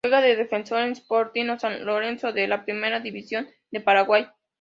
Juega de defensor en Sportivo San Lorenzo de la Primera División de Paraguay.